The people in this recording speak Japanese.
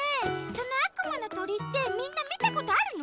そのあくまのとりってみんなみたことあるの？